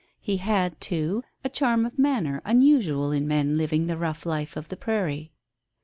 He had, too, a charm of manner unusual in men living the rough life of the prairie.